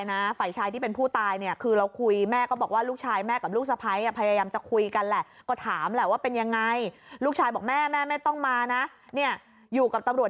มันก็เลยไม่แปลกอย่างขึ้นกันอย่าง